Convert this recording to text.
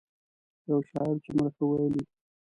یو شاعر څومره ښه ویلي.